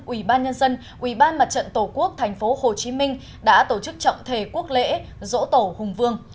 ủy ban nhân dân ủy ban mặt trận tổ quốc tp hcm đã tổ chức trọng thể quốc lễ dỗ tổ hùng vương